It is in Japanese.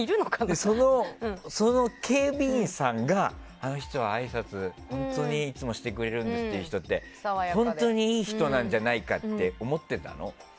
その警備員さんがあの人はあいさつを本当にいつもしてくれるんですって人は本当にいい人なんじゃないかって思ってたの。